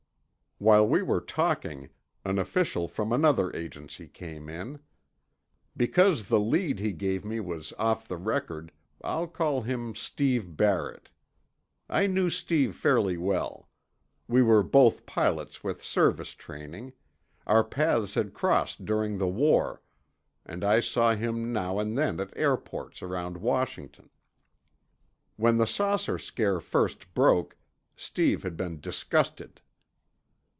While we were talking, an official from another agency came in. Because the lead he gave me was off the record, I'll call him Steve Barrett. I knew Steve fairly well. We were both pilots with service training; our paths had crossed during the war, and I saw him now and then at airports around Washington. When the saucer scare first broke, Steve had been disgusted.